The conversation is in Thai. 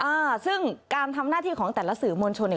อ่าซึ่งการทำหน้าที่ของแต่ละสื่อมวลชนเนี่ย